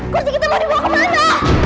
kursi kita mau dibawa kemana